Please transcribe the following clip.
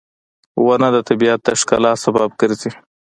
• ونه د طبیعت د ښکلا سبب ګرځي.